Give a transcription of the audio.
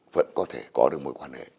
vẫn có thể có được mối quan hệ